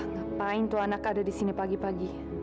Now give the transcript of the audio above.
gapain tuh anak ada disini pagi pagi